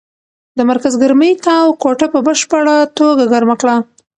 د مرکز ګرمۍ تاو کوټه په بشپړه توګه ګرمه کړه.